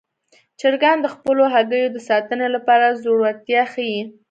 چرګان د خپلو هګیو د ساتنې لپاره زړورتیا ښيي.